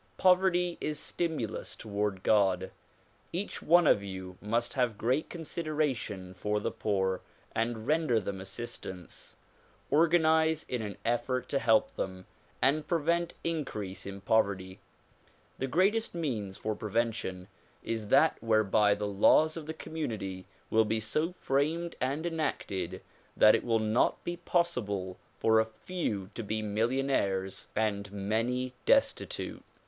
Poverty is stimulus toward God. Each one of you must have great consideration for the poor and render them assistance. Organize in an effort to help them and prevent increase of poverty. The greatest means for prevention is that whereby the laws of the community will be so framed and enacted that it will not be possible for a few to be millionaires and many destitute.